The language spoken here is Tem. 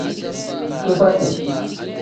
Kifati.